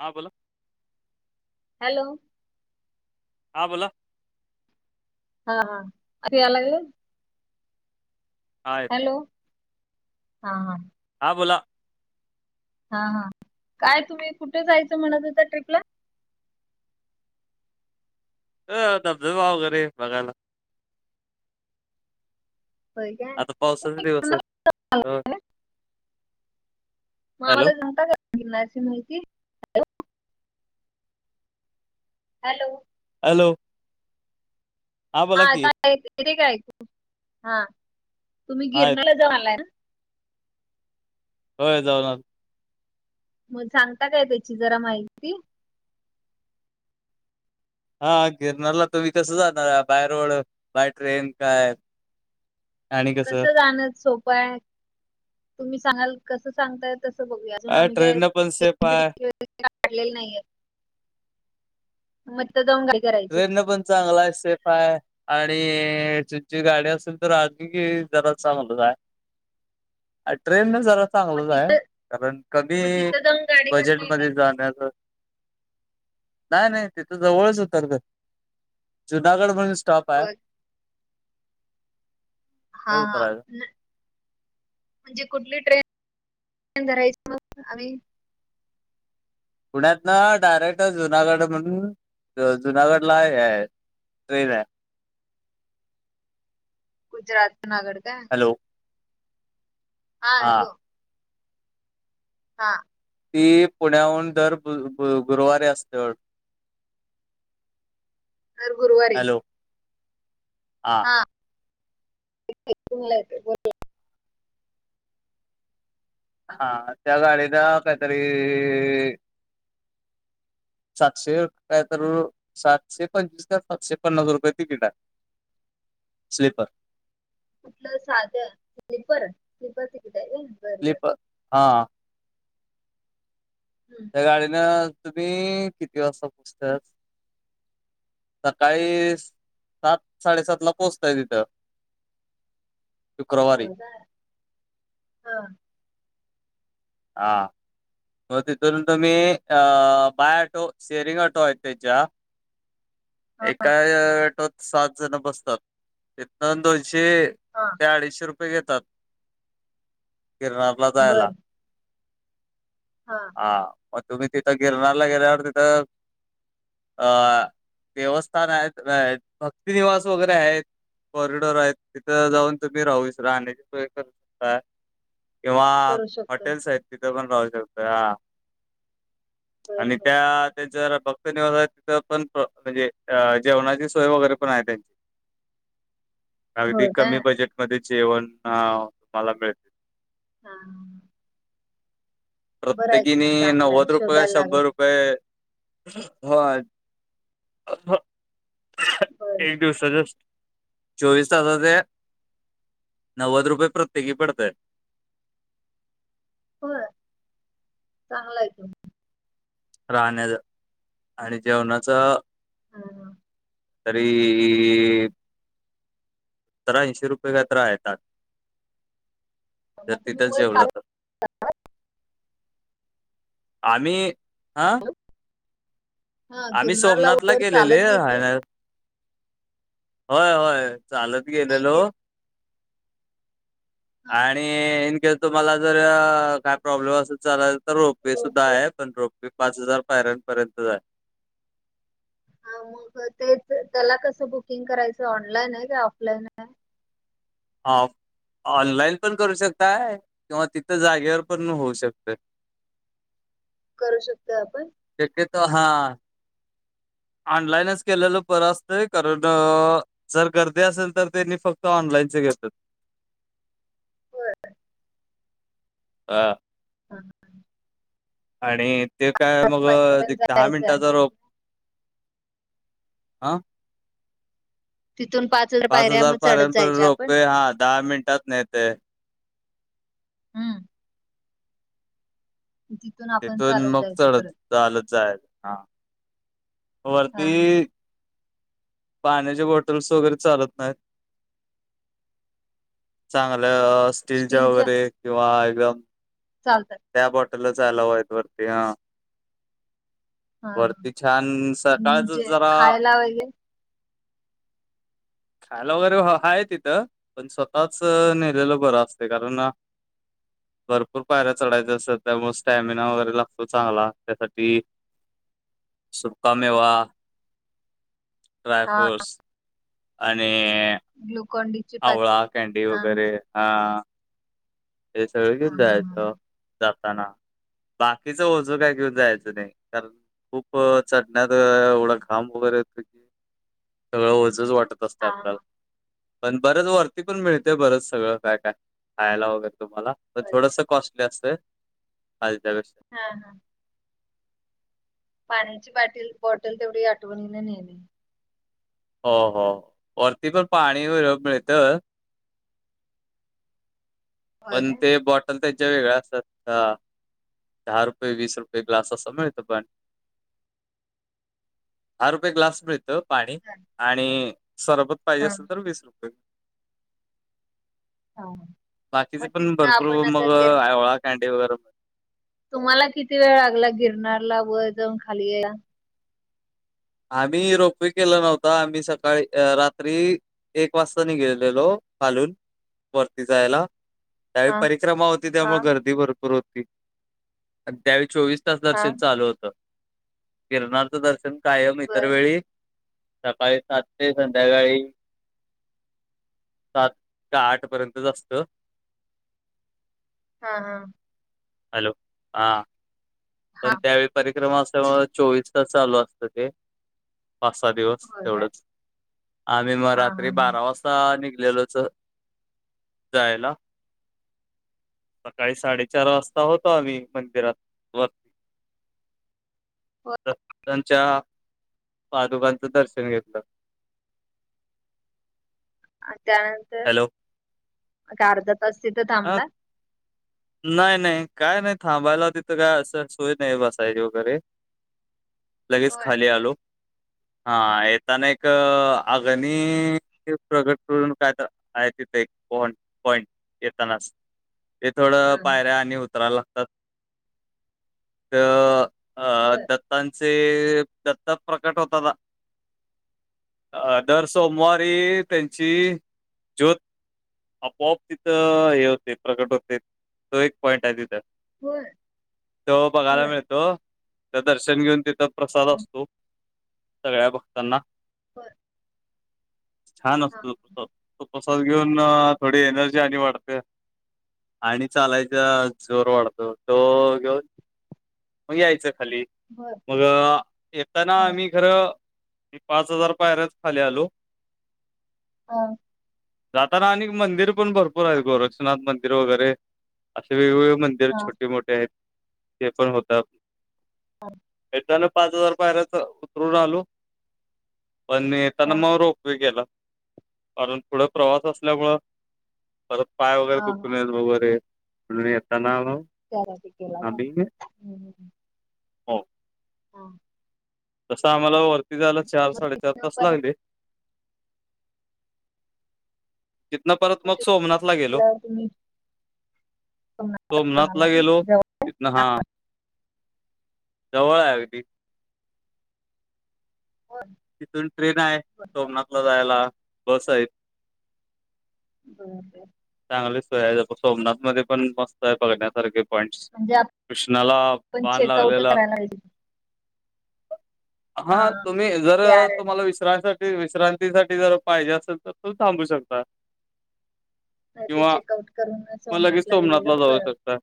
हां बोला हॅलो हां बोला हा हा आता या लागले? हा येत हॅलो हा हा हा बोला हा हा काय तुम्ही कुठे जायचं म्हणत त्या ट्रीपला अ धबधबावगरे बघायला हो का. आता पावसाचे दिवस आहे हो हॅलो मामाला [unintelligible] काय कुणाची मुलगी हॅलो. हॅलो हा बोला की आता येते काय ऐकू हा तुम्ही हा येत गिरणाला जाऊ आलाय ना? होय जाऊ न आलो. मग सांगता काय त्याची जरा माहिती. हा गिरणारला तुम्ही कस जाणार बाय रोड बाय ट्रेन काय, कसं जाण सोपं आहे, तुम्ही सांगाल कसं सांगताय तस बघूया अजून अ आम्ही काय ट्रेननं पण सेफ आहे काढलेलं नाहीय. म दोंगा [unintelligible] वेरणं पण चांगला आहे सेफ आहे. आणि तुची गाडी असेल तर आली की जरा चांगल हाय. ट्रेन न जरा मग चांगलंच आहे, तिथं कारण मग कमी तिथं जाऊन गाडी करता येते बजेटमध्ये जाण्याचं, नाही नाही तिथ जवळच उतरतो, जुनागड म्हणून स्टॉप आहे. होय. हा हा. उतराय म्हणजे कुठली ट्रेनन धरायचं मग आम्ही. पुण्यात ना डायरेक्ट जुनागड म्हणून जुनागडला हे आहे. टेरन आहे. गुजरात नागड काय? हॅलो! हा हॅलो! हां. ती पुण्याहून दर गु -गु -गुरुवारी असते वाटतं. जर गुरुवारी. हॅलो हा [unintelligible] हा. हा त्या गाडीला काहीतरी सातशे काय तर सातशे पंचवीस तर सातशे पन्नास रुपये तिकीट आहे. स्लीपर. कुठलं साध स्लीपर स्लीपर तिकीट आहे होय. स्लीपर हा. हम्म! त्या गाडीनं तुम्ही किती वाजता पोचताात? सकाळी सात साडेसात ला पोहोचताय तिथं. ‌ होम काय हं. हां. हो तिथून तुम्ही अ बायटो शेरिंगटो आहेत त्यांच्या. हा एकाय ऑटोत. सात जण बसतात तिथं दोनशे हां. ते अडीचशे रुपये घेतात किरनारला जायला. बर हा. हा मग तुम्ही तिथं गिरणारारला गेल्यावर तिथं अ देवस्थान आहेत. भक्तिनवास वगैरे आहेत. कॉरिडोर आहेत. तिथं जाऊन तुम्ही राहूस राहण्याची सोय करू शकता. किंवा करू शकतो हॉटेल्स आहेत तिथ पण राहू शकतोया. बर आणि बर त्यात जरा भक्त निवास आहे तिथं पण म्हणजे अ जेवणाची सोय वगैरे पण आहे त्यांची. हो अगदी का कमी बजेटमध्ये जेवण आ तुम्हाला भेटते. हा. बरं आहे की प्रत्येकीने मग चांगला आहे नवद रुपय का शोधायला लागत शंभर रुपय ह [unintelligible] बर दिवसाच्या चोवीस तासाचे नव्वद रुपये प्रत्यकी पडतय. हो चांगल आहे ते राहण्याचा आणि जेवणाचअ. हा हा तरी तर ऐंशी रुपये का तर आहे ताट जर मग तुम्ही तिथच वर जेवला चालत तर. आम्ही हा. हा आम्ही गिरनारला सोमनाथला वर गेलेले चालत गेले राह. होय होय चालत नाही गेलेलो. गिर आणि इनकेस तुम्हाला जर काय प्रॉब्लेम असेल चलल. तर रोपे सुद्धा रोपवे आहे पण रोपे पाच हजार पायऱ्यांपर्यंतच हाय. हा मग तेच त्याला कसं बुकिंग करायचं ऑनलाईन आहे का ऑफलाईन आहे. हा ऑनलाईन पण करू शकताय किंवा तिथं जागेवर पण होऊ शकतय. करू शकतोय आपण? शक्य तो हा. ऑनलाईनच केलेलं बरं असतंय कारण. जर गर्दी असेल तर ते नी फक्त ऑनलाईनच घेतात. बर हा हां हां आणि ते काय मग पण दहा जायचं मिनटाचा रोप. तिथून आं तिथून पाच हजार मग पायऱ्या चढत पर्यंत जायच्या आपण रोपे हा दहा मिनिटात नेते. हम् तिथून आपण चालत मग जायचं चढत परत. चालत जायचं. हा वर्ती पाण्याच्या बॉटल्स वगैरे चालत नायत. चांगलं स्टीलच्या वगैरे किंवा एकदम. चालतय. त्या बॉटलच अलाऊ आहेत वरती अ. हा हा वरती छान आणि सकाळच जे जरा. [unintelligible] खायला वगैरे हाय तिथं पण स्वतःच नेलेलं बरं असते कारण. भरपूर पायऱ्या चढायच्या असतात त्यामुळे स्टॅमिना वगैरे लागतो चांगला त्यासाठी. सुका मेवा ड्रय हा फ्रूट्स. आणि ग्लूकॉनडी आवळा कँडी वगैरे अ. हे सगळं हा घेऊन हा जायचं जाताना. बाकीच ओझ काय घेऊन जायचं नाही कारण. खूप चढण्यात एवढा खांब वगैरे येत की सगळं वजच वाटत हा हा हा आपल्याला हा. पण बरेच वरती पण मिळते बरंच सगळं काय काय खायला वगैरे तुम्हाला तर होय काय थोडस कॉस्टली असतंय कालच्यापेक्षा हा हा पाण्याची बाटली बॉटल तेवढी आठवणीने नेणे. हो हो वरती पण पाणी वगर मिळतं. होय पण काय ते बॉटल त्याच्या वेगळ्या असतात ह. दहा रुपये वीस रुपये ग्लास असं मिळतं पाणी. दहा रुपये ग्लास मिळत पाणी आणि सरबत पाहिजे हा असेल तर वीस रुपये. हा. बाकीचे मग पण तिथनं भरपूर आपण आता मग गिर [unintelligible] कांडी वगैरे तुम्हाला किती वेळ लागला? गिरनला वर जाऊन खाली यायला? आम्ही रोपवे केला नव्हता, आम्ही सकाळी रात्री एक वाजता [unintelligible] गेलेलो, खालून वरती जायला. त्यावेळी हा परिक्रमा होती, हा त्यामुळे गर्दी भरपूर होती, आणि त्यावेळी चोवीस हा दर्शन चालू होतं, गिरनारचं दर्शन कायम इतर बर वेळी सकाळी सात ते संध्याकाळी सात का आठ पर्यंतच असतं. हा हा. हॅलो? हा हा पण त्यावेळी परिक्रमा असल्यामुळ, चोवीस तास चालू असत ते. पाच सहा दिवस होय काय एवढच, आम्ही म हा हा रात्री हा बारा वाजता ता, निघालेलोच जायला. सकाळी साडेचार वाजता होतो आम्ही, मंदिरात. व [unintelligible] होय त त्यांच्या पादुकांचं दर्शन घेतलं. अ त्यानंतर, हॅलो अर्धा तास तिथं हा थांबला? नाही नाही, काय नाही, थांबायला तिथं काय असं सोय नाही बसायची वगैरे. लगेच होय खाली आलो. हा, येताना एक अगणी प्रगट करून काय तर आहे तिथे एक, स्पॉट पॉईंट येतानाच. ते थोडं हा पायऱ्या आणि उतरायला लागतात, तर अ होय द त्यांचे दत्त प्रकट होत ना अ दर सोमवारी त्यांची ज्योत आपोआप तिथं हे होते, प्रकट होते. तो एक पॉइंट आहे तिथं, होय तो बघायला होय मिळतो. दर्शन घेऊन तिथं प्रसाद हा असतो, सगळ्या भक्तांना. बर. छान असत तो प्रसाद, तो प्रसाद घेऊन थोडी एनर्जी आणि वाढते. आणि चालायचा जोर वाढतो, तो घेऊन मग यायचं खाली. मग येताना होय आम्ही खरं, पाच हजार पायरच खाली आलो. हा जाताना आणि मंदिर पण भरपूर आहेत, गोरक्षनाथ मंदिर वगैरे असे वेगवेगळे मंदिर हा छोटे मोठे आहेत, ते पण होतात. हां. एकना पाच हजार पायऱ्याच उतरून आलो, पण हा येताना मग रो केला, कारण पुढ प्रवास असल्यामुळे, परत पाय वगैरे हा दुखून हा वगैरे, म येताना [unintelligible] त्यारा टीकेला का? आम्ही हम. हो हां. तसं आम्हाला वरती जायला, मग चार-साडेचार तिथनं तास परत लागले. तिथन परत मग सोमनाथला गेलो. आल्यावर तुम्ही कोणाला सोमनाथला काय गेलो, जवळ [unintelligible] हा. जवळ आहे अगदी. होय तिथून ट्रेन आहे, होय सोमनाथला जायला, बस आहेत. [unintelligible] चांगली सोय आहे, जस सोमनाथ मध्ये पण मस्त आहे बघण्यासारख. पॉईंट, म्हणजे कृष्णाला आपण बान चेकआउट लागलेला करायला पाहिजे हा तुम्ही जर ते आरण्य तुम्हाला विस विसरासाठी विश्रांतीसाठी जर पाहिजे असेल तर तु थांबू शकता. नाय त किंवा चेकआउट करून मग लगेच सोमनाथला गेलेलंचं जाऊ बर शकता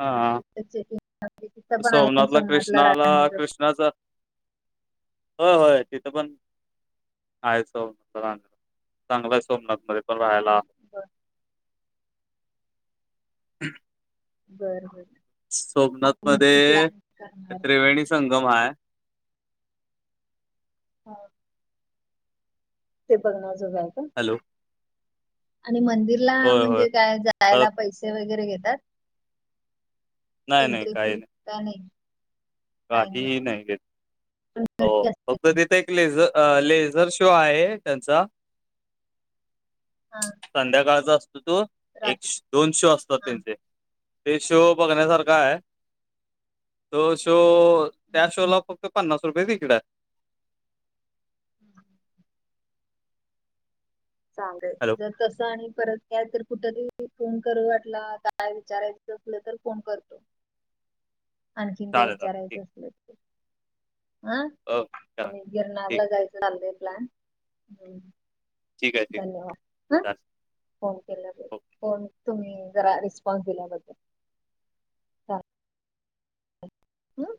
हा चेकिंग तिथं पण आहे सोमनाथला कृष्णाला राहण्याचं कृष् णाचा होय होय तिथं पण आहे चं [unintelligible] सोमनाथ चांगलाय सोमनाथ मध्ये पण राहायला. बरं [unintelligible] बर बर सोमनाथ आपण नक्की मध्ये प्लॅन ते करणार त्रिवेणी संगम हाय. हां ते बघण्या जोग हाय का? हॅलो आणि मंदिरला होय होय म्हणजे काय? जा जायला परत पैसे वगैरे घेतात नाही नाही एंट्री काही फी नाही का नाही. काय नाही काहीही का नाय हो ती असते फक्त तिथे एक लेझर अ लेझर शो आहे त्यांचा हा संध्याकाळचा असतो तो एक रात्री दोन शो असतात हा त्यांचे ते शो बघण्यासारखा हाय तो शो त्या शोला फक्त पन्नास रुपये तिकिट हाय. [unintelligible] चांगल. हॅलो त तसं आणि परत कायतर कुठ तरी फोन करू वाटला काय विचारायच असलं तर फोन करतो. आणखीन काय चालेल चालेल विचारायचं ठीक असल तर. हा अ करा आम्ही ठीक गिरनारला आहे जायचं चाल्लंय प्लॅन हम्म ठीक आहे ठीक आहे धन्यवाद हा चालेल फोन केल्याल फोन तुम्ही जरा रिस्पॉन्स दिल्याबद्दल चालेल. हं